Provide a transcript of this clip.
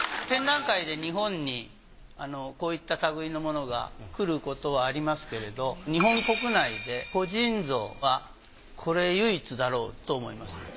展覧会で日本にこういったたぐいのものが来ることはありますけれど日本国内で個人蔵はこれ唯一だろうと思います。